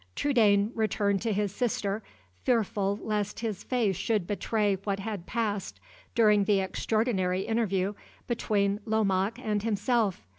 Trudaine returned to his sister, fearful lest his face should betray what had passed during the extraordinary interview between Lomaque and himself.